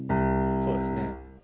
そうですね。